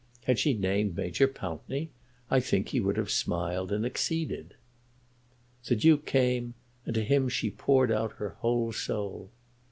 Had she named Major Pountney, I think he would have smiled and acceded. The Duke came, and to him she poured out her whole soul.